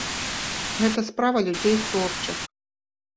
Гэта справа людзей творчых.